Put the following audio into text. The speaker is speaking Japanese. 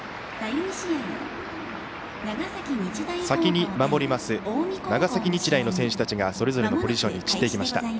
先に守ります長崎日大の選手たちがそれぞれのポジションに散っていきました。